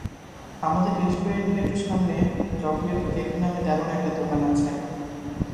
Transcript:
আমাদের রেস্টুরেন্টের একটু সামনে চকলেট ক্যাফে নামে দারুণ একটা দোকান আছে।